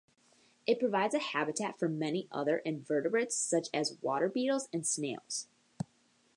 It provides a habitat for many other invertebrates such as water beetles and snails.